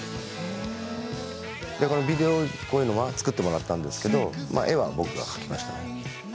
こういうのを作ってもらったんですけれども絵は僕が描きましたね。